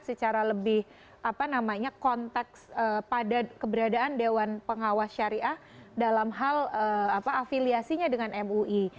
secara lebih konteks pada keberadaan dewan pengawas syariah dalam hal afiliasinya dengan mui